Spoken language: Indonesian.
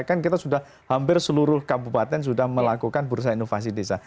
kan kita sudah hampir seluruh kabupaten sudah melakukan bursa inovasi desa